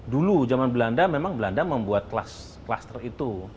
dulu zaman belanda memang belanda membuat klaster itu